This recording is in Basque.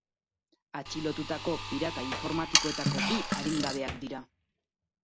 Atxilotutako pirata informatikoetako bi adingabeak dira.